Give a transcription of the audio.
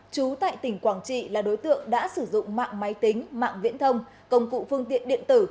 chú tại tỉnh quảng trị là đối tượng đã sử dụng mạng máy tính mạng viễn thông công cụ phương tiện điện tử